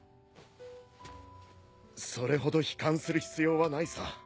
それほど悲観する必要はないさ。